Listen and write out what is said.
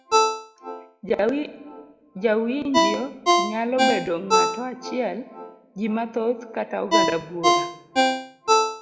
Jawinjio nyalo bedo ng'ato achiel, ji mathoth kata oganda buora.